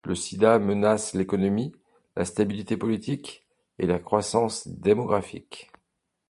Le Sida menace l'économie, la stabilité politique et la croissance démographique.